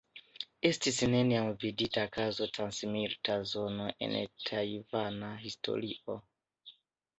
Estis neniam vidita kazo trans milita zono en la tajvana historio.